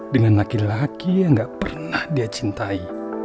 dengan laki laki yang gak pernah dia cintai